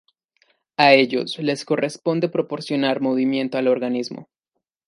A ellos les corresponde proporcionar movimiento al organismo.